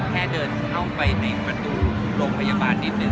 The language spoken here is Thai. แค่เดินเข้าไปในประตูโรงพยาบาลนิดนึง